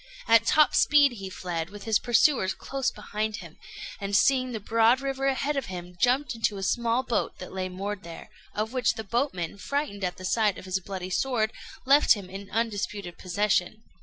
At top speed he fled, with his pursuers close behind him; and, seeing the broad river ahead of him, jumped into a small boat that lay moored there, of which the boatmen, frightened at the sight of his bloody sword, left him in undisputed possession.